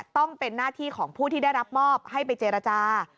ต้องเป็นหน้าที่ของผู้ที่ได้รับมอบให้ไปเจรจา